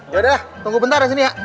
yaudah tunggu bentar disini ya